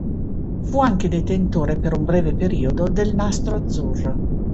Fu anche detentore per un breve periodo del Nastro Azzurro.